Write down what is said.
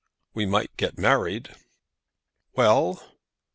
"We might get married." "Well?"